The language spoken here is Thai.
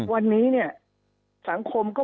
วันนี้เนี่ยสังคมก็